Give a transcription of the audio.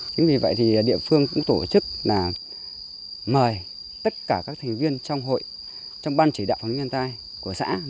chính vì vậy thì địa phương cũng tổ chức mời tất cả các thành viên trong hội trong ban chỉ đạo phòng nhân tai của xã